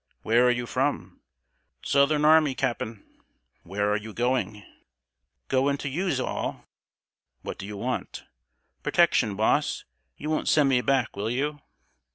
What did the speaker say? "Where are you from?" "Southern army, Cap'n." "Where are you going?" "Goin' to you'se all." "What do you want?" "Protection, boss. You won't send me back, will you?"